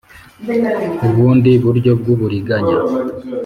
ubundi buryo bw uburiganya